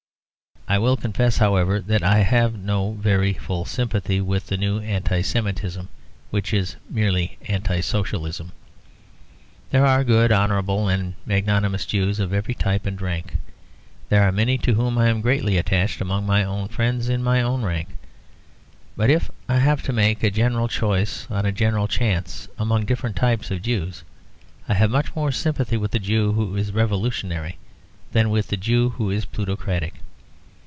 I will confess, however, that I have no very full sympathy with the new Anti Semitism which is merely Anti Socialism. There are good, honourable and magnanimous Jews of every type and rank, there are many to whom I am greatly attached among my own friends in my own rank; but if I have to make a general choice on a general chance among different types of Jews, I have much more sympathy with the Jew who is revolutionary than the Jew who is plutocratic.